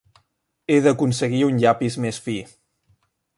He d'aconseguir un llapis més fi.